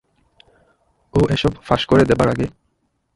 ও এসব ফাঁস করে দেবার আগে?